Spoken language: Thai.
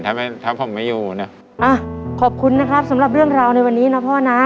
ถ้าไม่ถ้าผมไม่อยู่นะอ่ะขอบคุณนะครับสำหรับเรื่องราวในวันนี้นะพ่อนะ